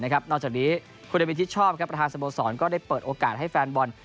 นอกจากนี้คนที่ชอบประธานสมสรรค์ก็ได้เปิดโอกาสให้แฟนบอล